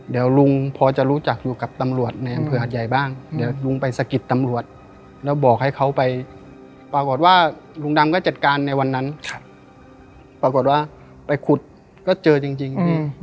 เดี๋ยวลุงพอจะรู้จักอยู่กับตำรวจในอำเภออาทยายบ้าง